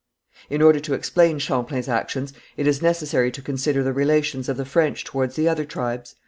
In order to explain Champlain's actions, it is necessary to consider the relations of the French towards the other tribes.